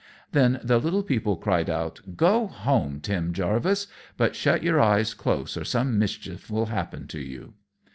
Then the little people cried out, "Go home, Tim Jarvis; but shut your eyes close, or some mischief will happen to you."